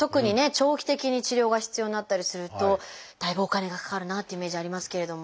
長期的に治療が必要になったりするとだいぶお金がかかるなっていうイメージありますけれども。